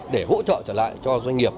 để hỗ trợ trở lại cho doanh nghiệp